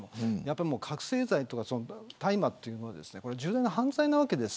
覚せい剤とか大麻というものが重大な犯罪なわけです。